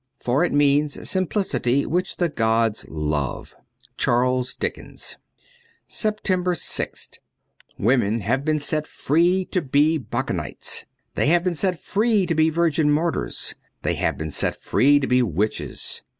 For it means simplicity, which the gods love. ' Charles Dickens.' 278 SEPTEMBER 6th WOMEN have been set free to be Bacchantes. They have been set free to be virgin martyrs ; they have been set free to be witches.